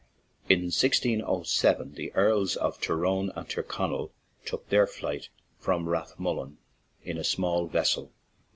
In 1607, the Earls of Tyrone and Tyrconnell took their "flight" from Rath mullen in a small vessel.